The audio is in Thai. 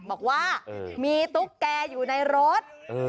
บอกว่ามีตุ๊กแกอยู่ในรถ